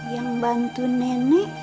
yang bantu nenek